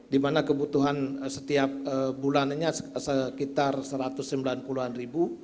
di mana kebutuhan setiap bulannya sekitar satu ratus sembilan puluh an ribu